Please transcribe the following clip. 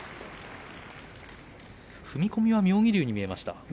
踏み込みは妙義龍に見えました。